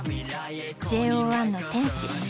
ＪＯ１の天使。